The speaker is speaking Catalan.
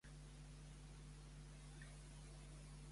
Com desitja Jambon que sigui la rèplica?